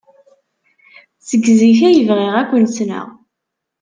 Seg zik ay bɣiɣ ad ken-ssneɣ.